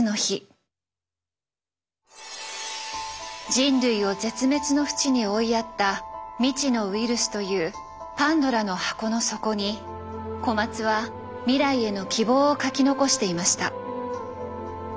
人類を絶滅のふちに追いやった未知のウイルスというパンドラの箱の底に小松は未来への希望を書き残していました。